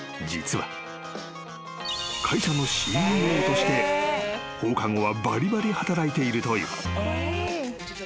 ［会社のＣＥＯとして放課後はばりばり働いているという］